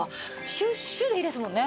シュッシュでいいですもんね。